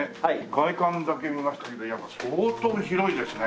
外観だけ見ましたけど相当広いですね